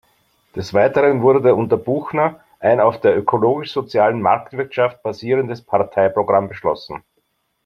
Des Weiteren wurde unter Buchner ein auf der ökologisch-sozialen Marktwirtschaft basierendes Parteiprogramm beschlossen.